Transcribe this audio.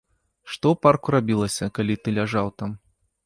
Што ў парку рабілася, калі ты ляжаў там?